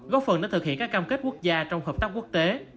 góp phần để thực hiện các cam kết quốc gia trong hợp tác quốc tế